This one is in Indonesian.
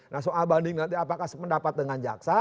nah soal banding nanti apakah sependapat dengan jaksa